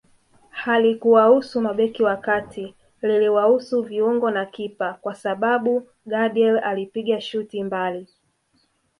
Halikuwahusu mabeki wa kati liliwahusu viungo na kipa kwa sababu Gadiel alipiga shuti mbali